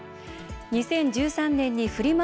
２０１３年にフリマ